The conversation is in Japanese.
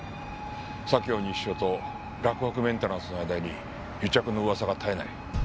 左京西署と洛北メンテナンスの間に癒着の噂が絶えない。